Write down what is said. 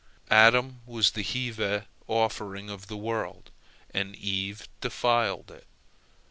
Adam was the heave offering of the world, and Eve defiled it.